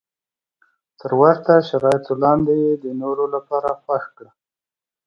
تر ورته شرایطو لاندې یې د نورو لپاره خوښ کړه.